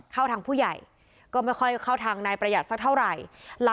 เข้าทางผู้ใหญ่ก็ไม่ค่อยเข้าทางนายประหยัดสักเท่าไหร่